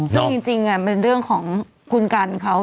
ซึ่งจริงเป็นเรื่องของคุณกันเขา